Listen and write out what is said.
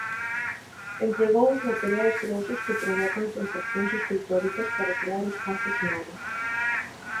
Empregou os materiais grosos que provocan sensacións escultóricas para crear espazos novos.